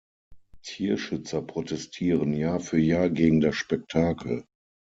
Tierschützer protestieren Jahr für Jahr gegen das Spektakel.